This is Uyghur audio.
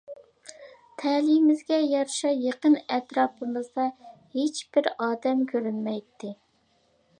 تەلىيىمىزگە يارىشا يېقىن ئەتراپىمىزدا ھېچ بىر ئادەم كۆرۈنمەيتتى.